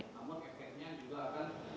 namun efeknya juga akan